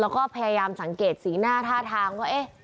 ก็พยายามสังเกตสีหน้าท่าทาง